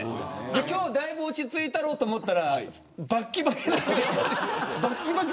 今日、だいぶ落ち着いたろうと思ったら、ばっきばきなので。